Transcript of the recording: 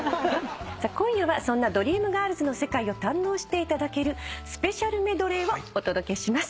今夜はそんな『ドリームガールズ』の世界を堪能していただけるスペシャルメドレーをお届けします。